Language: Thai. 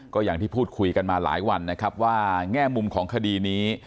ก็อย่างที่พูดคุยกันมาหลายวันนะครับว่าแง่มุมของคดีนี้